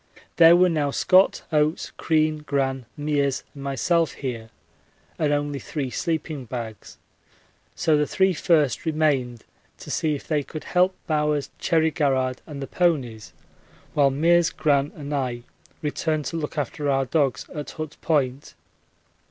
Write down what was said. There were now Scott, Oates, Crean, Gran, Meares, and myself here and only three sleeping bags, so the three first remained to see if they could help Bowers, Cherry Garrard, and the ponies, while Meares, Gran, and I returned to look after our dogs at Hut Point.